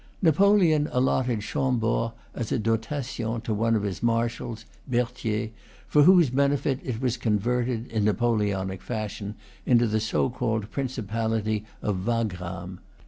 Napoleon allotted Chambord, as a "dotation," to one of his marshals, Berthier, for whose benefit it was converted, in Napoleonic fashion, into the so called principality of Wagram.